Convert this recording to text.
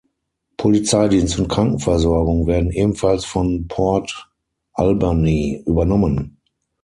Polizeidienst und Krankenversorgung werden ebenfalls von Port Alberni übernommen.